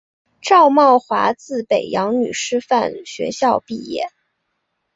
赵懋华自北洋女师范学校毕业。